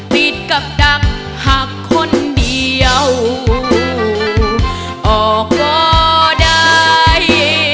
ปิดกับดักหักคนเดียวออกก็ได้